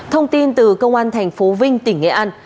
thông tin từ công an tp vinh tỉnh nghệ an